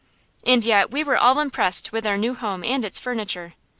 And yet we were all impressed with our new home and its furniture.